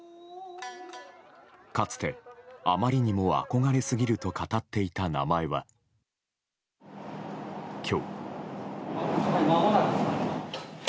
かつて、あまりにも憧れすぎると語っていた名前は今日。